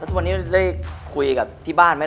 ทุกวันนี้ได้คุยกับที่บ้านไหม